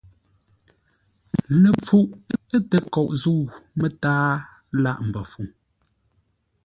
Ləpfuʼ ə̂ təkoʼ zə̂u mətǎa lâʼ mbəfuŋ.